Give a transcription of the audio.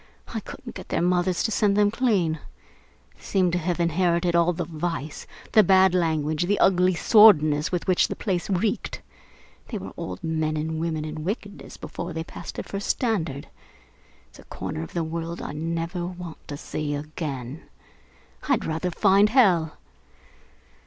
I couldn't get their mothers to send them clean. They seemed to have inherited all the vice, the bad language, the ugly sordidness with which the place reeked. They were old men and women in wickedness before they passed their first standard. It's a corner of the world I never want to see again. I'd rather find hell!